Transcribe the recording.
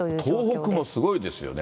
東北もすごいですよね。